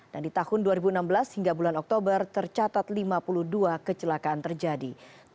dan di tahun dua ribu enam belas hingga bulan oktober tercatat lima puluh dua kecelakaan terjadi